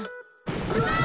うわ！